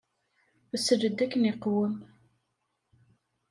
Sel-d akken iqwem.